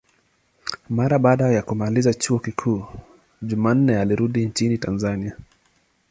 Mara baada ya kumaliza chuo kikuu, Jumanne alirudi nchini Tanzania.